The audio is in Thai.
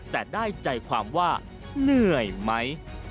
แต่ได้ใจความว่าเหนื่อยไหม